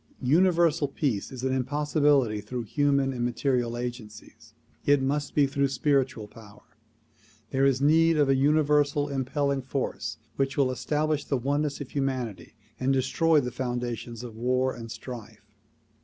Universal Peace is an impossibility through human and material agencies; it must be through spiritual power. There is need of a universal impelling force which will establish the oneness of humanity and destroy the foundations of war and strife.